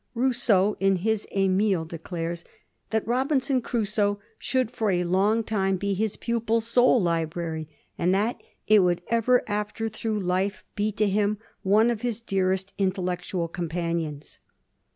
Rousseau in bis " !l£mile " declares that " Robinson Crusoe " should for a long time be his pupil's sole library, and that it would ever after through life be to him one of his dearest intel lectual companions.